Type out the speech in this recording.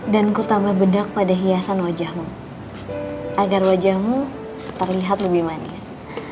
dan ku tambah bedak pada hiasan wajahmu agar wajahmu terlihat lebih manis